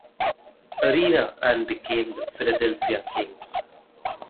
Arena and became the Philadelphia Kings.